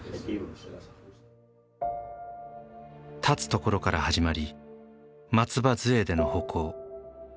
立つところから始まり松葉づえでの歩行。